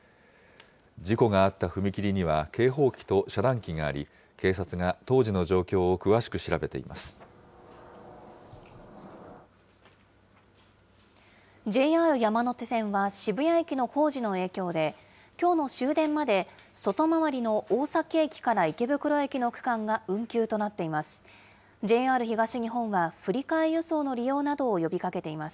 事故があった踏切には警報機と遮断機があり、警察が当時の状況をＪＲ山手線は、渋谷駅の工事の影響で、きょうの終電まで外回りの大崎駅から池袋駅の区間が運休となっています。